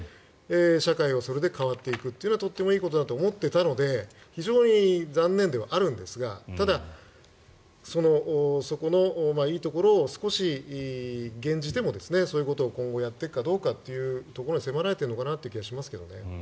社会がそれで変わっていくのはとてもいいことだと思っていたので非常に残念ではあるんですがただ、そこのいいところを少し減じてもそういうことを今後やっていくのかというところに迫られているのかなという気がしますけどね。